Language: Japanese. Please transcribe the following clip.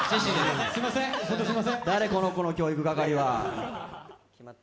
誰、この子の教育係は。